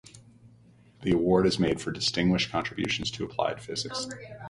The award is made for distinguished contributions to applied physics.